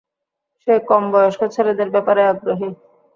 সে কমবয়স্ক ছেলেদের ব্যাপারেও আগ্রহী।